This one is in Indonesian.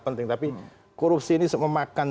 penting tapi korupsi ini memakan